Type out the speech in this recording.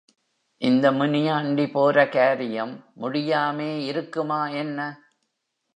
இந்த முனியாண்டி போர காரியம் முடியாமே இருக்குமா என்ன?